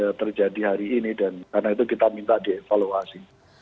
yang terjadi hari ini dan karena itu kita minta dievaluasi